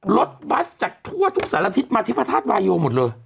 รถบัสจากทั่วทุกสันละทิศมาทิพธาตุวายโยงหมดเลย